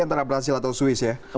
antara brazil atau swiss ya